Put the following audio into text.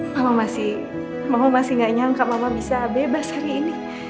mama masih mau masih gak nyangka mama bisa bebas hari ini